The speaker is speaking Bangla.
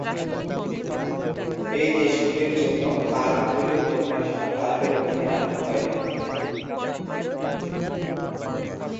এই দেশগুলির জন্য কার্ডগুলি হোম ন্যাশনাল কার্ডের অধীনে রাখা হয়।